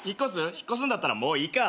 引っ越すんだったらもういいか。